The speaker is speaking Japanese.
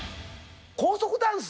高速ダンス？